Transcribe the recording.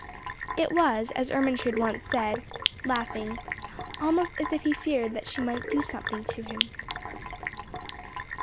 It was, as Ermentrude once said, laughing, almost as if he feared that she might do something to him.